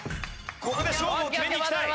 ここで勝負を決めていきたい。